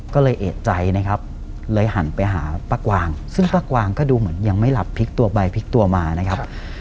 ก็เลยเอกใจนะครับเลยหันไปหาป้ากวางซึ่งป้ากวางก็ดูเหมือนยังไม่หลับพลิกตัวไปพลิกตัวมานะครับ